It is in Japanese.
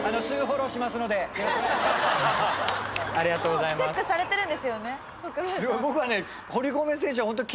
ありがとうございます国分さん